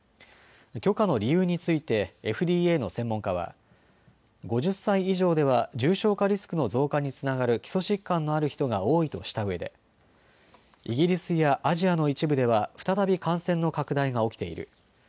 許可の理由についてＦＤＡの専門家は５０歳以上では重症化リスクの増加につながる基礎疾患のある人が多いとしたうえでイギリスやアジアの一部では再び感染の拡大が起きている。